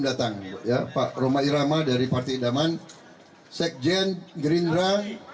datang pak roma irama dari partai idaman sekjen gerindra